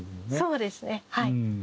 そうですねはい。